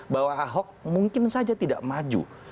bahwa ahok mungkin saja tidak maju